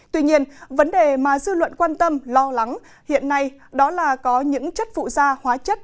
tuy nhiên vấn đề mà dư luận quan tâm lo lắng hiện nay đó là có những chất phụ da hóa chất